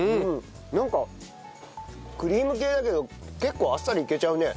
なんかクリーム系だけど結構あっさりいけちゃうね。